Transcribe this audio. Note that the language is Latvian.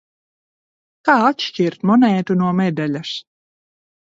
Kā atšķirt monētu no medaļas?